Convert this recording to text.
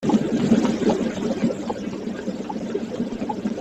Anda ay yettmahal imir-a?